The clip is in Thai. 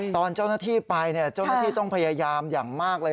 ตอนเจ้าหน้าที่ไปเจ้าหน้าที่ต้องพยายามอย่างมากเลย